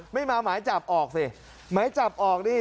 ไม่มาหมายจับออกสิหมายจับออกดิ